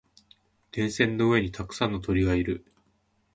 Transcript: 電線の上にたくさんの鳥がいる。